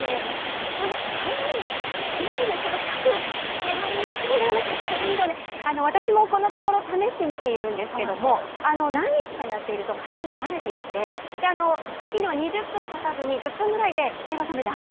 そのちょい二度寝、いわゆる、深く眠りにつくのではなく、ちょい二度寝、私もこのところ試してみているんですけれども、何日かやっていると、体も慣れてきて、最近では２０分たたずに、１０分ぐらいで目が覚めて、あっ、